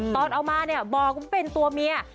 ตอนเอามาเนี่ยบอกว่าเป็นตัวเมีย